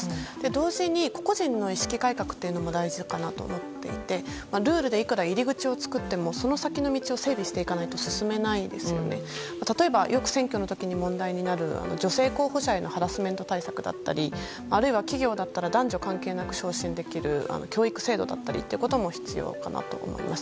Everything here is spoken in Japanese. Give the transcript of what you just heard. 同時に個々人の意識改革も大事だと思っていてルールでいくら入り口を作ってもその先の道を整備していかないと進めないですので例えば、選挙の時に問題になる女性候補者へのハラスメント対策だったりあるいは企業だったら男女関係なく昇進できる教育制度だったりということも必要になると思います。